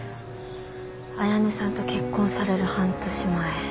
綾音さんと結婚される半年前。